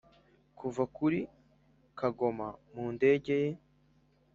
kuva kuri kagoma mu ndege ye.